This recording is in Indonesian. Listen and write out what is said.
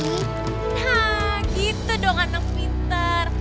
nah gitu dong anak pinter